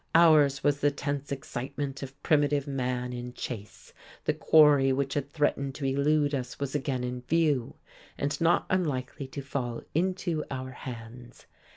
Ours was the tense excitement of primitive man in chase: the quarry which had threatened to elude us was again in view, and not unlikely to fall into our hands.